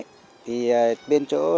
thì bên chỗ